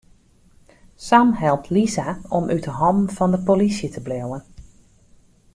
Sam helpt Lisa om út 'e hannen fan de polysje te bliuwen.